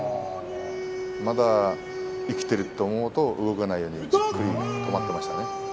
まだ生きていると思うと動かないように止まっていましたね。